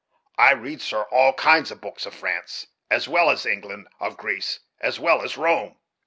I read, sir, all kinds of books; of France, as well as England; of Greece, as well as Rome.